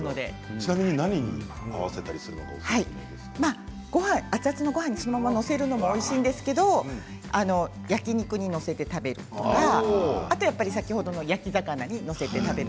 ちなみに何に合わせたり熱々のごはんにそのまま載せるのもおいしいんですけれども焼き肉に載せて食べるとかあとやっぱり先ほどの焼き魚に載せて食べる